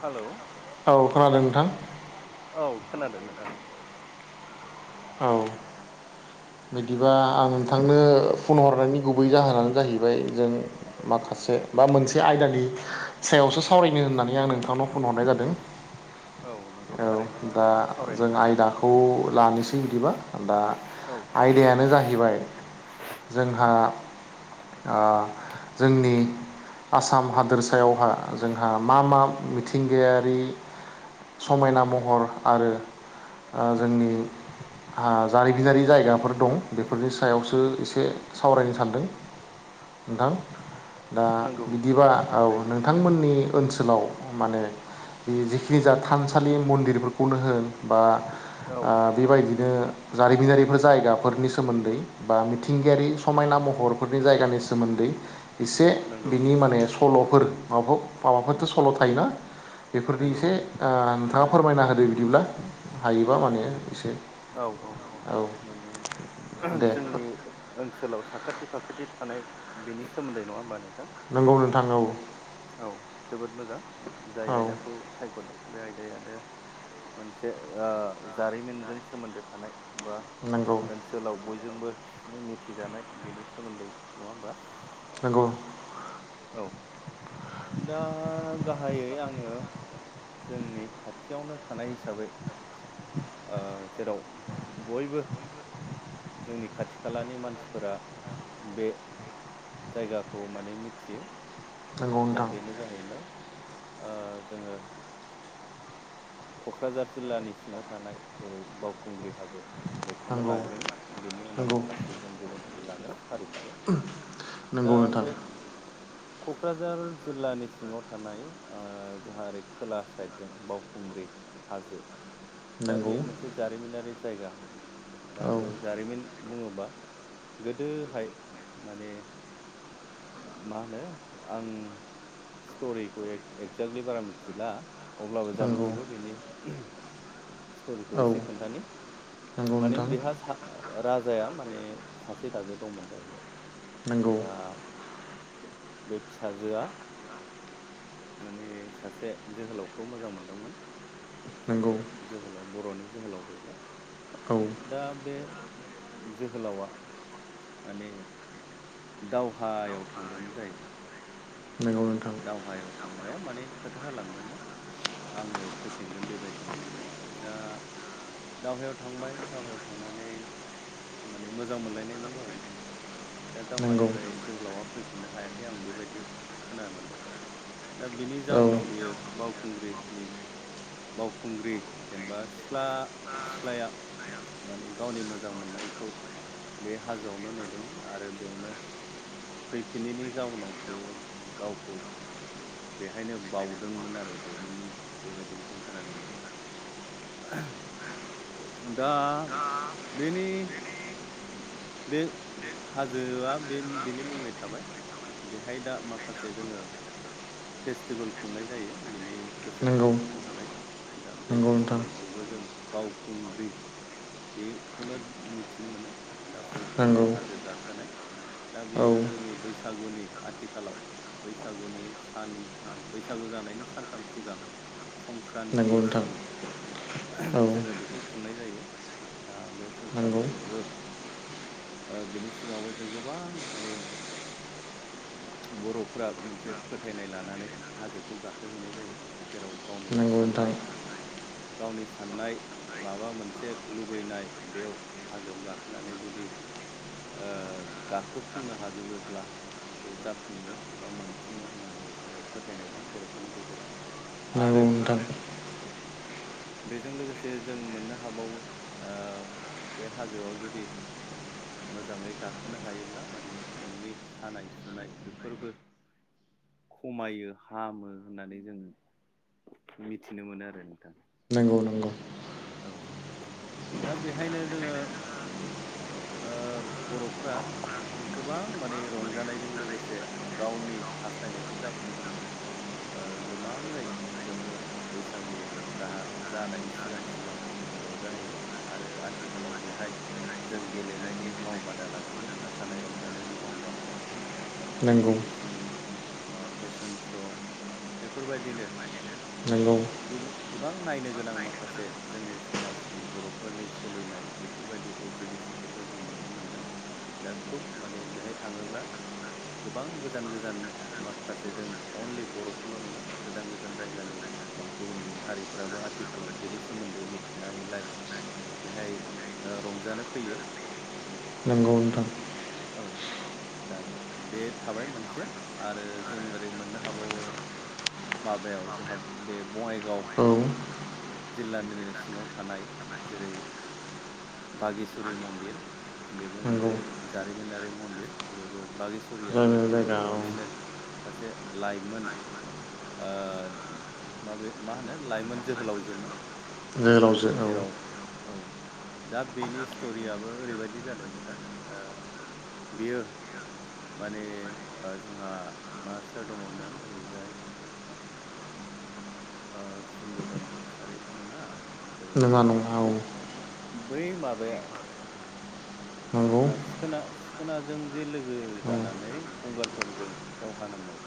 Hello औ खोनादों नोंथां औ खोनादों नोंथां औ बिदिबा आं नोंथांनो फन हरनायनि गुबै जाहोनानो जाहैबाय जों माखासे बा मोनसे आयदानि सायावसो सावरायनो होननानै आं नोंथांनाव फन हरनाय जादों औ नंगौ थारैनो औ नोंथां दा सावरायनो जों हागोन आयदाखौ लानोसै बिदिबा दा औ आयदायानो जाहैबाय जोंहा जोंनि आसाम हादोरसायावहा जोंहा मा मा मिथिं मिथिंगायारि समायना महर आरो जोंनि जारिमिनारि जायगा फोर दं बेफोरनि सायावसो एसे सावरायनो सानदों नोंथां दा नंगौ बिदिबा औ थारैनो नोंथां नोंथांमोननि ओनसोलाव माने बे जेखिनि जा थानसालि मन्दिरफोरखौनो होन बा औ बेबायदिनो जारिमिनारिफोर जायगा फोरनि सोमोन्दै बा मिथिंगायारि समायना महरफोरनि जायगानि सोमोन्दै एसे नंगौ बिनि माने सल'फोर माबाफोर माबाफोरथ' सल' थायोना बेफोरनि नंगौ एसे नोंथाङा फोरमायना होदो बिदिब्ला हायोबा माने एसे औ औ औ माने दे जोंनि ओनसोलाव साखाथि फाखाथि थानाय बेनि सोमोन्दै नङा होमबा नोंथां नोंगौ नोंथां औ औ जोबोद मोजां जाय औ आयदाखौ सायख'दों बे आयदायानो मोनसे जारिमिनजों सोमोन्दो थानाय बा नोंगौ ओनसोलाव बयजोंबो मिथिजानाय बेनि सोमोन्दै नङा होमबा नोंंगौ औ दा गाहायै आङो जोंनि खाथियावनो थानाय हिसाबै ओ जेराव बयबो जोंनि खाथि खालानि मानसिफोरा बे जायगाखौ माने मिथियो नंगौ दा नोंथां बेनो जाहैबाय ओ जोङो क'क्राझार जिल्लानि सिङाव थानाय जेरै बावखुंग्रि हाजो बेखौनो नंगौ लाग्रोनो बेनि उनाव नंगौ माखासे जों गुबुनखौ लागोन फारि फारि नंगौ दा नोंथां बे क'क्राझार जिल्लानि सिङाव थानाय आ जोंहा ओरै खोला साइड जों बावखुंग्रि हाजो दा नंगौ बेयो मोनसे जारिमिनारि जायगा दा औ बेयाव जारिमिन बुङोबा गोदोहाय माने मा होनो आं स्ट'रिखौ एक्जेक्टलि बारा मिथिला अब्लाबो जा नंगौ मिथिगौ बेनि स्ट'रिखौ औ एसे खोन्थानि नंगौ माने नोंथां बेहा राजाया माने सासे फिसाजो दंमोन जाहैबाय नंगौ दा बे फिसाजोआ माने सासे जोहोलाव खौ मोजां मोनदोंमोन नंगौ सासे जोहोलाव बर'नि जोहोलाव बेबो औ दा बे जोहोलावा माने दावहायाव थांदोंमोन जाहैबाय नंगौ नोंथां दावहायाव थांनायाव माने खोथा होलांदोंमोन। आंङो फैफिनगोन बेबायदिनो दा दावहायाव थांबाय दावहायाव थांनानै माने मोजां मोनलायनायमोन जाहैबाय दा नंगौ दावहानिफ्राय जोहोलावा फैफिननो हायाखै आं बेबायदि खोनानो मोनदों। दा बिनि औ जाउनाव बियो बावखुंग्रिनि बावखुंग्रि जेनेबा सिख्ला सिख्लाया माने गावनि मोजां मोननायखौ बे हाजोआवनो नेदोंमोन आरो बेयावनो फैफिननायनि जाउनाव बेयो गावखौ बेहायनो बावउदोंमोन आरो बेनि मुं बेबायदि जों खोनानो मोनगोन दा बेनि बे हाजोआ बे बिनि मुंङै थाबाय बेहाय दा माखासे जोंङो फेस्टिभेल खुंनाय जायो। बिनि गोसोखां नंगौ महरै दा बे नंगौ नोंथां फेस्टिभेल खौबो जों बावखुंग्रि बेखौनो मिथिनो मोनो दा खुंग्रि नंगौ हाजो गाखोनाय दा औ बियो जोंनि बैसागुनि आथिखालाव बैसागुनि सानथाम बैसागु जानायनि सानथाम सिगां नंगौ नोंथां संक्रान्तिसिम औ जोंङो बेखौ खुंनाय जायो। दा बे नंगौ संक्रान्तियावबो बिनि सिगांङाबो जों गोबां माने बर'फोराबो मोनसे फोथायनाय लानानै हाजोखौ गाखोहैनाय जायो जेराव गावनि नंगौ नोंथां साननाय गावनि साननाय माबा मोनसे लुबैनाय बेव हाजोआव गाखोनानै जुदि ओ गाखोफुंनो हाजोबोब्ला बे जाफुङो बा मोन खुङो होननानै फोथायनाय दं बर'फोरनि गेजेराव नंगौ आरो नोंथां बेजों लोगोसे जों मोननो हाबावो बे हाजोआव जुदि मोजांङै गाखोनो हायोब्ला माने नोंनि सानाय सुनाय बेफोरबो खमायो हामो होननानै जों मिथिनो मोनो आरो नोंथां। नंगौ नंगौ औ दा बेहायनो जोंङो ओ बर'फोरा गोबां माने रंजानायजों लोगोसे गावनि हास्थायनायखौ जाफुंहोनो गोबाङै बेयावनो बैसागु जानायनि सिगां सिगां जों रंजाहैयो। आरो आथिखालाव बेहाय जों गेलेनायनि मावबादा लाखियो मोसानाय रंजानायनि मावबादा लाखियो। नंगौ एगजिबिसन फेसन श' बेफोरबायदिनो माने नंगौ गोबां नायनो गोनां माखासे जोंनि समाजनि बर'फोरनि सोलिनाय बे बेफोरबायदि एगजिबिसनफोरखौ जों नुनो मोनदों दा खुब माने बेहाय थांङोब्ला गोबां गोजान गोजान माखासे जों अनलि बर'फोरल' नंङा गोजान गोजान जायगानि गुबुन गुबुन हारिफोराबो आथिखालाव बेनि सोमोन्दै मिथिनायलाय बेहाय रंजानो फैयो नंगौ नोंथां औ दा बे थाबाय मोनसे आरो जों ओरै मोननो हाबावो माबायाव जोंहा बे बंङाइगाव औ जिल्लानि सिङाव थानाय जेरै बागेसरि मन्दिर बेबो नंगौ मोनसे जारिमिनारि मन्दिर बेबो बागेशवरियाबो जायनि जोंनि जायगा बर' औ बर'निनो सासे लाइमोन ओ माबे मा होनो लाइमोन जोहोलावजोमोन जोहोलावजो औ जेराव औ दा बेनि स्ट'रियाबो ओरैबायदि जादों नोंथां बेयो माने जोंहा मा सोर दङमोन ओरैजाय ओ सुम्बुदन कसारिथ' नङा नङा नङा औ ओमफ्राय बै माबाया नंगौ जोंहा सि खोना सिखोनाजों जे लोगो औ जानानै गंगारफोरजों दावहा नांनाय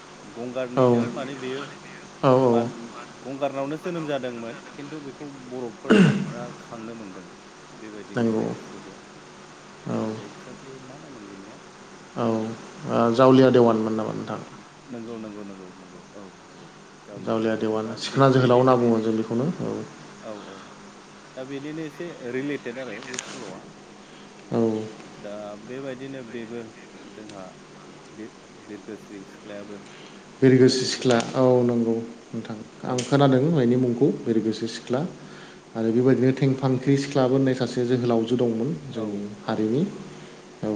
औ गंगारनिनो माने बेयो औ मा गंगारनावनो जोनोम जादोंमोन खिन्थु बेखौ बर'फोरा खांनो मोनदों। बेबायदिमोन नंगौ बेनि औ स्ट'रिया एक्जेक्टलि मा नामोन बेनिया औ जावलिया देवानमोन नामा नोंथां। नंगौ नंगौ नंगौ नंगौ औ नंगौ जावलिया देवान दा बे सिखोना जोहोलाव होनना बेनिजों बुङो जों बेखौनो औ औ औ दा बेनिनो एसे रिलेटेड आरो बे सल'आ औ दा बेबायदिनो बेबो जोंहा बे बिरगोस्रि सिख्लायाबो बेरि गोसो बेबायदिनो सिख्ला गोबां औ नंगौ नोंथां औ आं खोनादो [unintelligible] मुंखौ बिरग्रोसि सिख्ला आरो बेबायदिनो थेंफांख्रि सिख्लाबो होननाय सासे जोहोलावजो दंमोन औ जोंनि औ हारिनि औ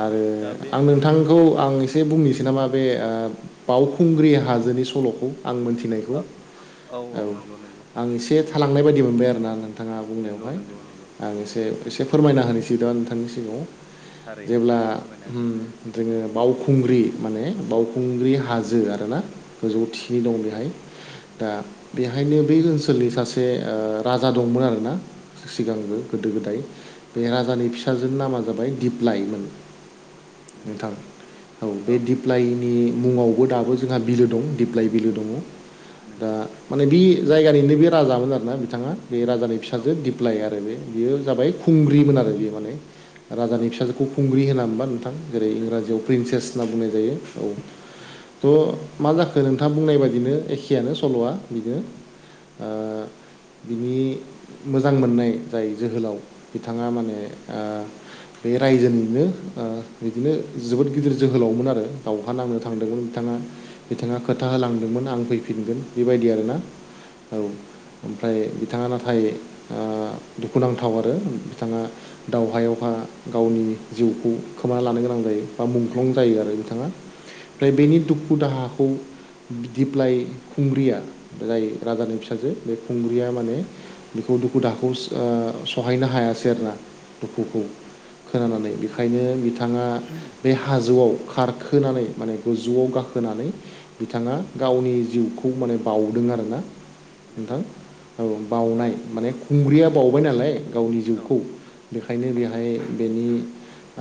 आरो दा बे आंनो नोंथांखौ आं एसे बुंनोसै नामा बे बावखुंग्रि हाजोनि सल'खौ आं मोनथिनायखौ औ औ नंगौ नंगौ आं एसे थालांनाय बायदि मोनबाय आरोना नोंथाङा नंगौ बुंनायावहाय नंगौ नंगौ आं एसे एसे फोरमायना होनोसै दा नोंथांनि सिगाङाव थारैनो जेब्ला फोरमायनो हागोन ओम नोंथां जोङो बावखुंग्रि माने बावखुंग्रि हा हाजो आरो ना गोजौ थिखिनि दं बेहाय दा बेहायनो बै ओनसोलनि सासे राजा दंमोन आरोना नंगौ सिगांबो गोदो गोदाय बे राजानि फिसाजो नामा जाबाय दिपलाइमोन। नंगौ नोंथां औ बे दिपलाइ नि मुङावबो दाबो जोंहा बिलो दं दिप्लाइ बिलो दङ दा नंगौ माने बे जायगानिनो बे राजामोन आरोना बिथाङा बे राजानि औ फिसाजो दि प्लाय आरो बे बियो जाबाय खुंग्रिमोन आरो बेयो माने राजानि औ फिसाजोखौ खुंग्रि होना होमबा नोंथां थां जेरै नंगौ इंराजियाव नंगौ प्रिन्सेस थारैनो होनना बुंनाय जायो औ थ' मा जाखो नोंथाङा बुंनाय बादिनो एखेयानो सल'आ बिदिनो ओ बिनि मोजां मोननाय जाय जोहोलाव बिथाङा माने आ बे रायजोनिनो बिदिनो जोबोद गिदिर जोहोलावमोन आरो दावहा नांनो नंगौ थांदोंमोन बिथाङा बिथाङा खोथा होलांदोंमोन आं फैफिनगोन बेबायदि आरोना औ ओमफ्राय बिथाङा नाथाय दुखुनांथाव आरो बिथाङा दावहायावहा गावनि जिउखौ खोमाना लानो गोनां जायो बा मुंख्लं औ जायो आरो बिथाङा ओमफ्राय नंगौ बेनि दुखु दाहाखौ दिप्लाय खुंग्रिया जाय राजानि फिसाजो बे खुंग्रिया माने बेखौ दुखु दाहाखौ सहायनो हायासै आरोना दुखुखौ नंगौ नंगौ खोनानानै नंगौ बेखायनो बिथाङा बे हाजोआव खारखोनानै माने गो जौवाव गाखोनानै बिथाङा गावनि जिउखौ माने बाउदों आरोना नंगौ नोंथां औ औ बाउनाय माने खुंग्रिया बाउबाय नालाय गावनि औ जिउखौ बेखायनो बेहाय बेनि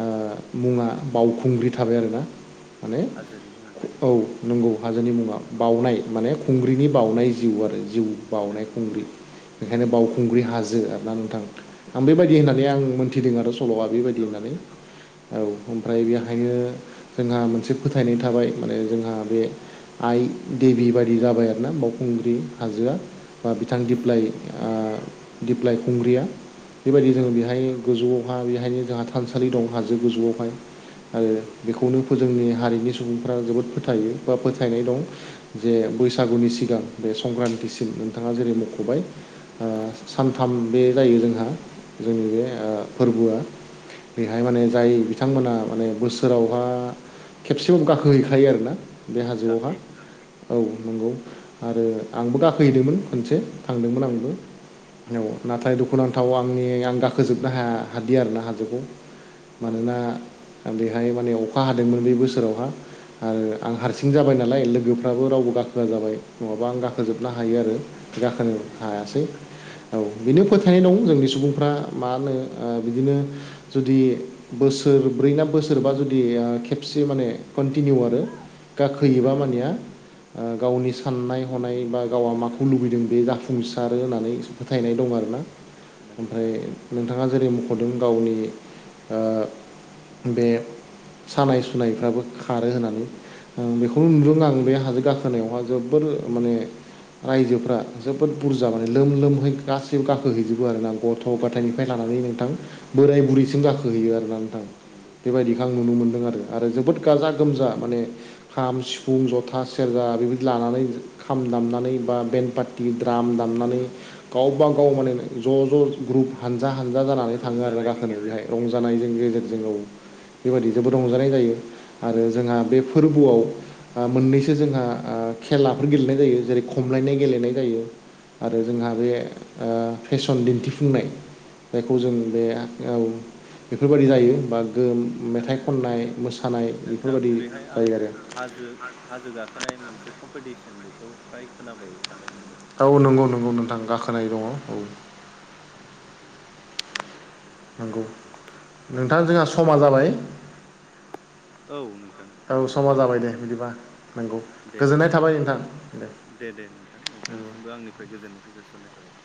ओ मुङा बावखुंग्रि थाबाय आरोना माने हाजोनि मुङा औ नंगौ हाजोनि मुङा औ बाउनाय माने खुंग्रिनि बाउनाय जिउ आरो जिउ बावउनाय नंगौ खुंग्रि ओंखायनो बावउखुंग्रि हाजो आरो ना नोंथां आं बेबायदि नंगौ होननानै आं मोन्थिदों आरो सल'आ बेबायदि नंगौ होननानै नंगौ औ ओमफ्राय बेहायनो जोंहा मोनसे फोथायनाय थाबाय माने जोंहा बे आइ देबि बायदि जाबाय आरोना बावखुंग्रि हाजोआ बा बिथां दिप्लाइ दिप्लाइ खुंग्रिया बेबायदि औ जोङो बेहाय गोजौआवहा बेहायनो जोंहा थानसालि दं हाजो गोजौआवहाय आरो नंगौ बेखौनो जोंनि हारिनि सुबुंफ्रा जोबोद फोथायो बा फोथायनाय दं जे बैसागुनि सिगां बे संक्रान्तिसिम नोंथाङा जेरै मख'बाय औ सानथाम बे जायो जोंहा जोंनि बे फोरबोआ बेहाय माने जाय बिथांमोना माने बोसोरावहा खेबसेबाबो गाखो हैैखायो आरोना बे हाजोआवहा गाखोयो नोंथां औ नंगौ आरो आंबो गाखोहैदोंमोन खनसे थांदोंमोन आंबो नंगौ जोबोद मोजां नाथाय दुखु नां थाव आंनि आं गाखोजोबनो हाया हादि आरो ना हाजोखौ औ मानोना औ बेहाय माने अखा हादोंमोन बे बोसोरावहा आरो नंगौ आं नंगौ हारसिं जाबाय नालाय लोगोफोर फ्राबो रावबो गाखोआ जाबाय नङाबा आं औ गाखोजोबनो हायो आरो गाखोनो नंगौ थारैनो हायासै औ बेनो फोथायनाय दं जोंनि सुबुंफ्रा मा होनो ओ बिदिनो जुदि बोसोर ब्रै ना बोसोरबा जुदि खेबसे माने कन्टिनिउ आरो गाखोयोबा नंगौ मानिया ओ गावनि साननाय हनाय बा गावा माखौ लुबैदों बे जाफुंसारो होननानै फोथायनाय दं आरो ना नंगौ ओमफ्राय थारैनो नोंथां नोंथाङा जेरै मख'दों गावनि बे सानाय सुनायफ्राबो खारो होननानै नंगौ बेखौनो नुदों आं बे हाजो गाखोनायावहा जोबोर माने रायजोफ्रा जोबोद बुरजा माने लोम लोमहै गासैबो गाखो नंगौ हैैजोबो आरो ना गथ' नंगौ गथायनिफ्राय नंगौ लानानै थारैनो नोंथां बोराय बुरैसिम जाखोहैयो आरोना नोंथां नोंगौ बेबायदिखौ आं नुनो मोनदों आरो जोबोद गाजा गोमजा माने खाम सिफुं जथा सेरजा बेबायदि लानानै खाम दामनानै बा बेन पा- द्राम दामनानै नंगौ गावबा गाव माने ज' ज' ग्रुप हानजा हानजा जानानै थाङो आरो रंजानायनि गाखोनो बेहाय गेजेरजों रंजा- जानायजों गेजेरजों औ बेबायदि जोबोद रंजानाय जायो आरो जोंहा बे फोरबोआव मोननैसो जोंहा खेलाफोर गेलेनाय जायो जेरै खमलायनाय गेलेनाय जायो आरो नंगौ जोंहा बे फेसन दिन्थिफुंनाय जायखौ जों नंगौ बे औ बेफोरबायदि जायो बा गो मेथाइ खननाय मोसानाय थां बेफोरबायदि बेहाय आं जायो आरो हाजो हाजो गाखोनाय मोनसे कम्पिटिसन बेखौ फ्राय खोनाबाय थानाय मोनदों औ नंगौ नंगौ नोंथां गाखोनाय दङ' औ [inaudible] नंगौ नोंथां जोंहा समा जाबाय औ नोंथां औ समा माब्लाबानो जाबाय दे जों बिदिबा नंगौ दे गोजोननाय बिदिब्ला थाबाय नोंथां दे दे दे नोंथां औ। नोंथांनिसिमबो आंनिफ्राय गोजोननायखौ जासिहरनाय थाबाय